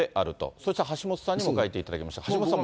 そして橋下さんにも書いていただきました。